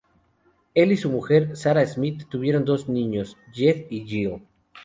Él y su mujer, Sara Smith, tuvieron dos niños, Jed y Jill.